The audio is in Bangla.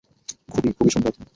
খুবই, খুবই সুন্দর।